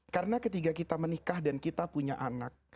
karena ketika kita menikah dan kita punya anak